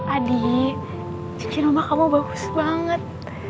adi cincin mama kamu bagus banget